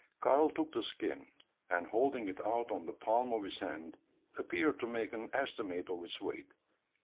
Karl took the skin; and, holding it out on the palm of his hand, appeared to make an estimate of its weight.